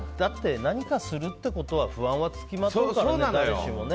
何かするってことは不安は付きまとうからね。